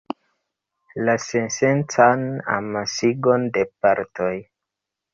La sensencan amasigon de partoj.